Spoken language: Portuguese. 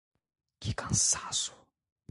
Que cansaço!